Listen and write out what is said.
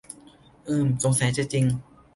อืม สงสัยจะจริง